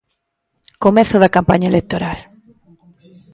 Comezo da campaña electoral.